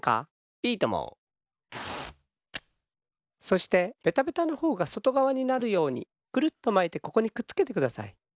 そしてベタベタのほうがそとがわになるようにくるっとまいてここにくっつけてください。